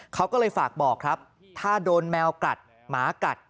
เขาก็เลยฝากบอกครับถ้าโดนแมวกัดหมากัด